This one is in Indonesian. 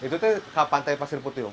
itu tuh ke pantai pasir putih